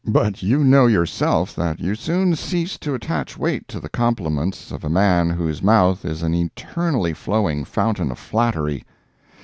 But you know yourself that you soon cease to attach weight to the compliments of a man whose mouth is an eternally flowing fountain of flattery.